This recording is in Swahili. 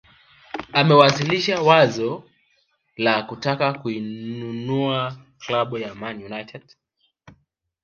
Amewasilisha wazo la kutaka kuinunua klabu ya Manchester United